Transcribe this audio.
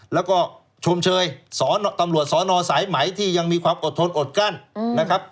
แล้วก็ชมเชยตำรวจสอนอสายไหมที่ยังมีความอดทนอดกั้นนะครับ